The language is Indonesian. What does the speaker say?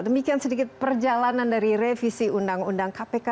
demikian sedikit perjalanan dari revisi undang undang kpk